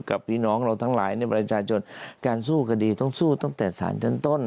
กับพี่น้องเราทั้งหลายในประชาชนการสู้คดีต้องสู้ตั้งแต่สารชั้นต้น